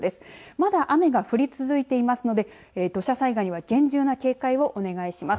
まだ雨が降り続いていますので土砂災害には厳重な警戒をお願いします。